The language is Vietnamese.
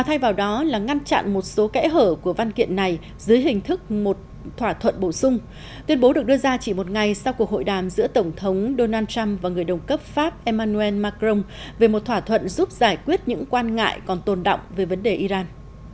thay vào đó là ngăn chặn một số kẽ hở của văn kiện này dưới hình thức một thỏa thuận bổ sung tuyên bố được đưa ra chỉ một ngày sau cuộc hội đàm giữa tổng thống donald trump và người đồng cấp pháp emmanuel macron về một thỏa thuận giúp giải quyết những quan ngại còn tồn động về vấn đề iran